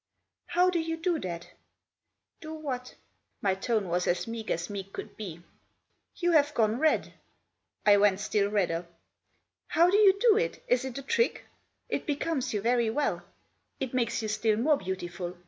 " How do you do that ?"" Do what?" My tone was meek as meek could be, " You have gone red." I went still redder. " How do you do it ? Is it a trick ? It becomes you very well ; it makes you still more beautiful.